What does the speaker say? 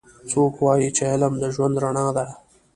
څوک وایي چې علم د ژوند رڼا ده